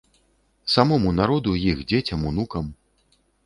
Самому народу, іх дзецям, унукам.